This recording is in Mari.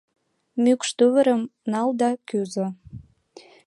Мӱкш тувырым нал да кӱзӧ.